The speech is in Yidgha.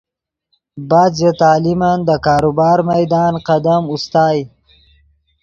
بعد ژے تعلیمن دے کاروبار میدان قدم اوستائے